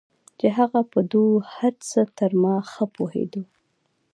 چې هغه په دو هرڅه تر ما ښه پوهېدو.